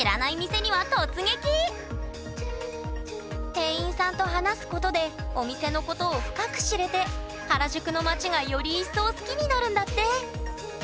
店員さんと話すことでお店のことを深く知れて原宿の街がより一層好きになるんだって！